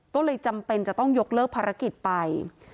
ก็เลยจำเป็นจะต้องยกเลิกภารกิจไป